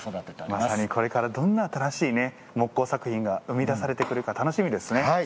まさに、これからどんな新しい木工作品が生み出されてくるか楽しみですね。